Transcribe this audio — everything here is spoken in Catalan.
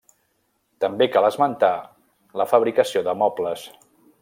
També cal esmentar la fabricació de mobles.